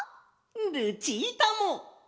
ルチータも！